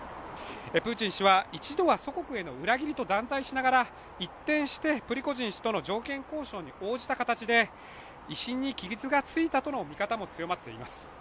プーチン氏は一度は祖国への裏切りと断罪しながら一転してプリゴジン氏との条件交渉に応じた形で、威信に傷がついたという見方も強まっています。